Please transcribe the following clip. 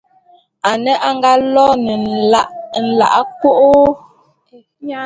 Ane anga lône nlak ko-o-o!